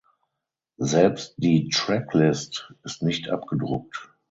Selbst die Tracklist ist nicht abgedruckt.